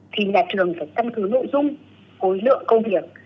thì nhà trường phải tâm cứu nội dung cối lượng công việc